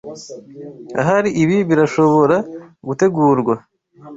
Ahari ibi birashobora gutegurwa.